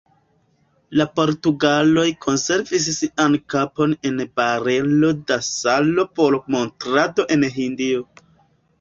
La portugaloj konservis sian kapon en barelo da salo por montrado en Hindio.